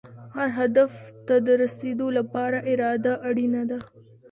هر هدف ته د رسېدو لپاره اراده اړینه ده.